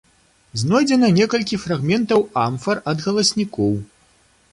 Знойдзена некалькі фрагментаў амфар ад галаснікоў.